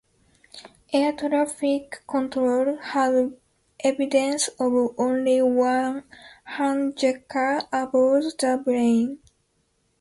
Air traffic control had evidence of only one hijacker aboard the plane.